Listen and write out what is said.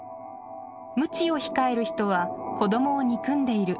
むちを控える人は子どもを憎んでいる。